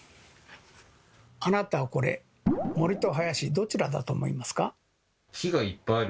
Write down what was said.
あなたはこれ森と林どちらだと思いますか？